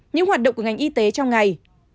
những hoạt động của ngành y tế trong ngày